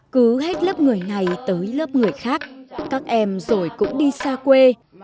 cứ hết lớp người này tới lớp người khác các em rồi cũng đi xa quê